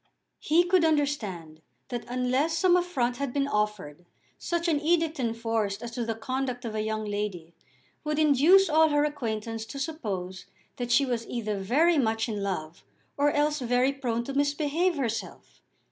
He could understand that unless some affront had been offered such an edict enforced as to the conduct of a young lady would induce all her acquaintance to suppose that she was either very much in love or else very prone to misbehave herself.